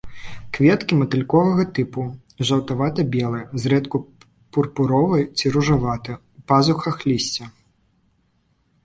Кветкі матыльковага тыпу, жаўтавата-белыя, зрэдку пурпуровыя ці ружаватыя, у пазухах лісця.